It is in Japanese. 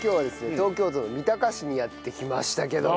東京都の三鷹市にやって来ましたけども。